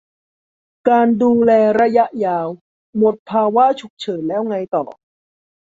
การดูแลระยะยาว หมดภาวะฉุกเฉินแล้วไงต่อ